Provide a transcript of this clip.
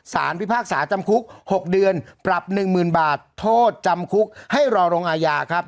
ศาลพิภาคศาจำคุก๖เดือนปรับ๑หมื่นบาทโทษจำคุกที่จะรภทรภาพและความสุขได้รอรองทำอายาครับ